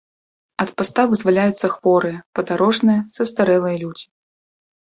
Ад паста вызваляюцца хворыя, падарожныя, састарэлыя людзі.